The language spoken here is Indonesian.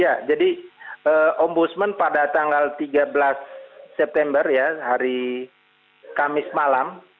ya jadi ombudsman pada tanggal tiga belas september ya hari kamis malam